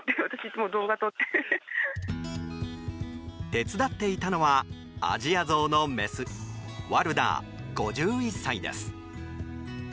手伝っていたのはアジアゾウのメスワルダー、５１歳です。